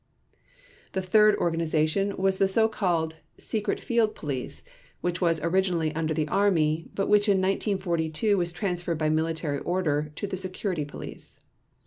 The third organization was the so called Secret Field Police which was originally under the Army but which in 1942 was transferred by military order to the Security Police.